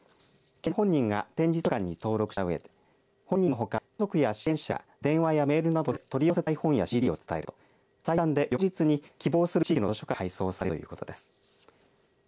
県によりますと借りる本人が点字図書館に登録したうえ本人のほか、家族や支援者が電話やメールなどで取り寄せたい本やＣＤを伝えると最短で翌日に希望する地域の図書館に配送されるということです。